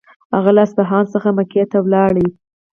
هغه له اصفهان څخه مکې ته ولاړ.